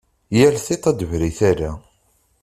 Yal tiṭ ad tebru i tala.